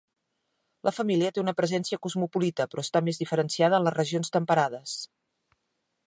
La família té una presència cosmopolita, però està més diferenciada en les regions temperades.